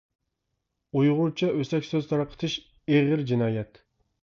ئۇيغۇرچە ئۆسەك سۆز تارقىتىش ئېغىر جىنايەت.